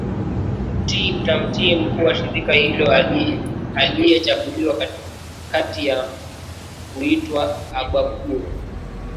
Utii atamtii mkuu wa shirika hilo aliyechaguliwa kati yao huitwa Abba au